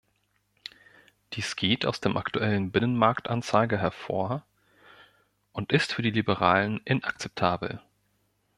Dies geht aus dem aktuellen Binnenmarktanzeiger hervor und ist für die Liberalen inakzeptabel.